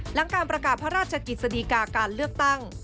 หลังการประกาศพระราชกิจสดีกาการเลือกตั้ง